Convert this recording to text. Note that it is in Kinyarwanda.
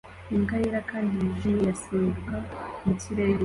Imbwa yera kandi yijimye irasimbuka mu kirere